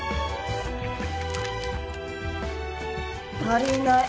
足りない。